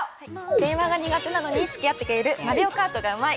電話が苦手なのに付き合ってくれるマリオカートがうまい！